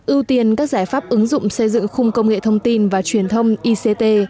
ưu tiên các giải pháp ứng dụng xây dựng khung công nghệ thông tin và truyền thông ict